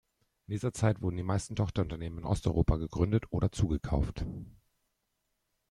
In dieser Zeit wurden die meisten Tochterunternehmen in Osteuropa gegründet oder zugekauft.